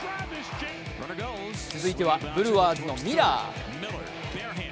続いてはブルワーズのミラー。